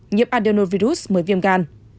nhiễm adenovirus mới viêm gan